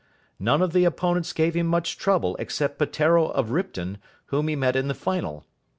None of his opponents gave him much trouble except Peteiro of Ripton, whom he met in the final.